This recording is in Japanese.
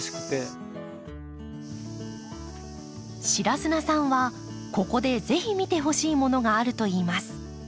白砂さんはここでぜひ見てほしいものがあるといいます。